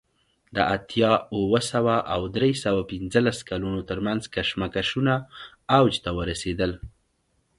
د اتیا اوه سوه او درې سوه پنځلس کلونو ترمنځ کشمکشونه اوج ته ورسېدل